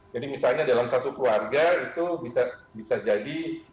jadi misalnya dalam satu keluarga itu bisa jadi